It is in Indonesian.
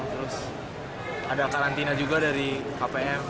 terus ada karantina juga dari kpm